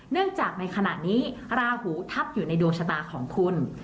เนื่องจากในขณะนี้ราหูทับอยู่ในดวงชะตาของคุณ